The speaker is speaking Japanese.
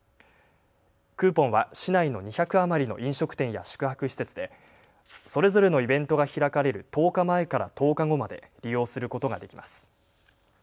クーポンは市内の２００余りの飲食店や宿泊施設でそれぞれのイベントが開かれる１０日前から１０日後まで利用することができます。